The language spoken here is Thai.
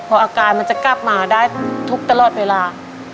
พออาการมันจะกลับมาได้ทุกข์ตลอดเวลา